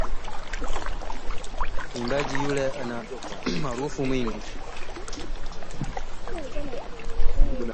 Mwimbaji yule ana umaarufu mwingi